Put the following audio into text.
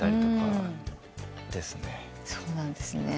そうなんですね。